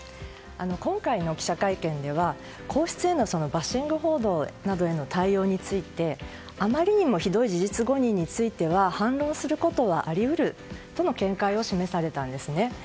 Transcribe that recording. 今回の記者会見では皇室へのバッシング報道の対応についてあまりにもひどい事実誤認については反論することはあり得るとの見解を示されたんですね。